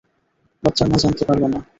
বাচ্চার মা জানতে পারল না।